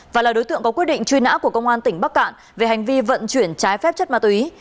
và là đối tượng có quyết định truy nã của công an tỉnh bắc cạn về hành vi vận chuyển trái phép chất ma túy